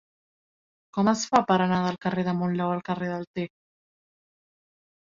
Com es fa per anar del carrer de Monlau al carrer del Ter?